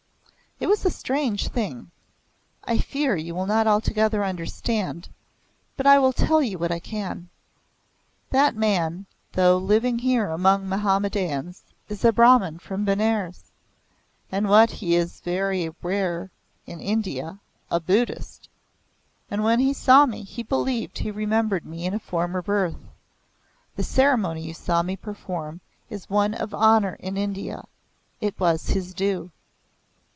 "It was a strange thing. I fear you will not altogether understand, but I will tell you what I can. That man though living here among Mahomedans, is a Brahman from Benares, and, what is very rare in India, a Buddhist. And when he saw me he believed he remembered me in a former birth. The ceremony you saw me perform is one of honour in India. It was his due."